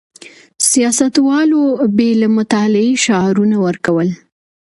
سياستوالو بې له مطالعې شعارونه ورکول.